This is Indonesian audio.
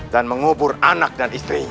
dan mengubur anak dan istrinya